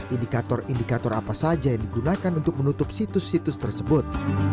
indikator indikator apa saja yang digunakan untuk menutup situs situs tersebut